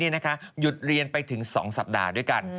หยุดเรียนไปถึง๒สัปดาห์ด้วยกัน